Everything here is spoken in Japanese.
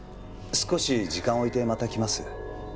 少し時間を置いてまた来ます。